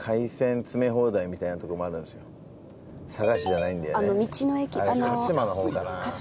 佐賀市じゃないんだよね。